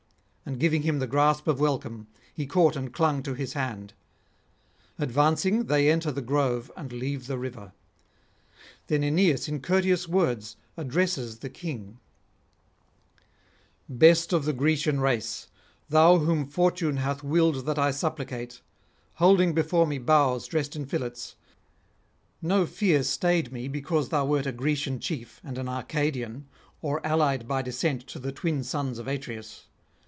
And giving him the grasp of welcome, he caught and clung to his hand. Advancing, they enter the grove and leave the river. Then Aeneas in courteous words addresses the King: 'Best of the Grecian race, thou whom fortune hath willed that I supplicate, holding before me boughs dressed in fillets, no fear stayed me because thou wert a Grecian chief and an Arcadian, or allied by descent to the twin sons of Atreus.